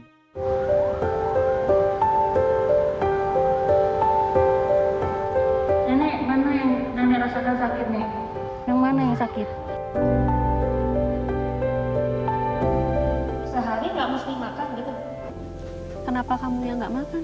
dan merasa sakitnya yang mana yang sakit sehari enggak mesti makan kenapa kamu yang enggak makan